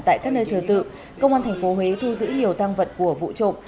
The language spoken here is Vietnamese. tại các nơi thờ tự công an thành phố huế thu giữ nhiều tăng vật của vụ trộm